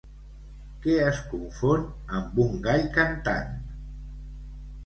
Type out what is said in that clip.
Què es confon amb un gall cantant?